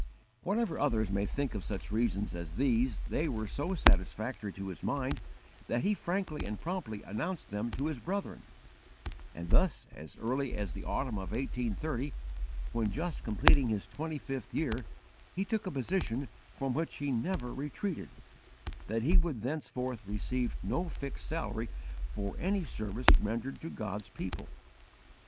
Whatever others may think of such reasons as these, they were so satisfactory to his mind that he frankly and promptly announced them to his brethren; and thus, as early as the autumn of 1830, when just completing his twenty fifth year, he took a position from which he never retreated, that he would thenceforth _receive no fixed salary for any service rendered to God's people.